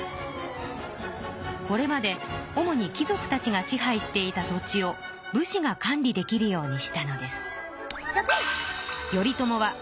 これまで主にき族たちが支配していた土地を武士が管理できるようにしたのです。